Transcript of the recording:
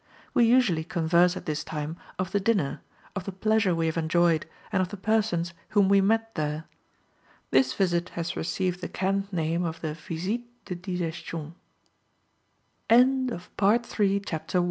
We usually converse at this time, of the dinner, of the pleasure we have enjoyed, and of the persons whom we met there. This visit has received the cant name of the visite de digestion. CHAPTER II.